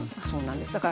そうなんです。